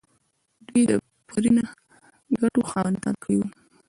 دوی د پرې نه ګټو خاوندان کړي وو.